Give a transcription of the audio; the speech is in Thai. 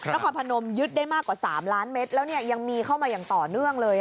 นครพนมยึดได้มากกว่า๓ล้านเมตรแล้วยังมีเข้ามาอย่างต่อเนื่องเลย